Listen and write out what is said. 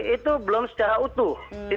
itu belum secara utuh